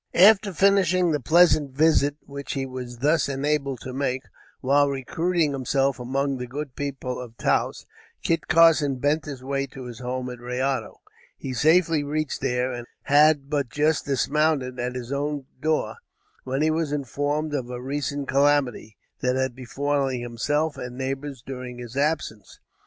After finishing the pleasant visit which he was thus enabled to make, while recruiting himself among the good people of Taos, Kit Carson bent his way to his home at Rayado. He safely reached there and had but just dismounted at his own door, when he was informed of a recent calamity that had befallen himself and neighbors during his absence.